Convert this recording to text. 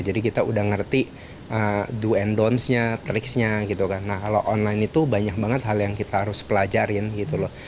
jadi kita udah ngerti do and don tnya triksnya gitu kan nah kalau online itu banyak banget hal yang kita harus pelajarin gitu loh